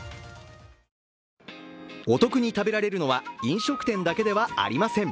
お得に食べられるのは飲食店だけではありません。